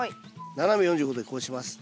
斜め４５度でこうします。